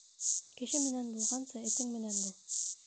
Кеше менән булғансы, этең менән бул.